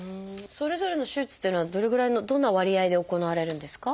それぞれの手術というのはどれぐらいのどんな割合で行われるんですか？